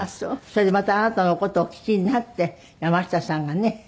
それでまたあなたのお箏をお聴きになって山下さんがね